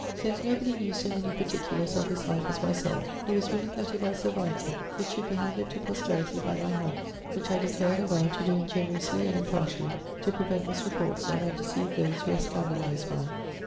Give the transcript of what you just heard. Since nobody knew so many particulars of his life as myselfe, he was willing that if I survived him, it should be handed to posterity by my hands, which I declare and avow to do ingenuously and impartially, to prevent misreports and undecieve those who are scandalized by....